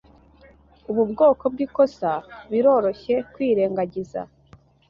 Ubu bwoko bwikosa biroroshye kwirengagiza.